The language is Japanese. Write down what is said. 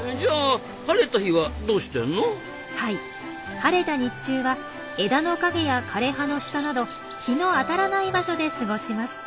晴れた日中は枝の陰や枯れ葉の下など日の当たらない場所で過ごします。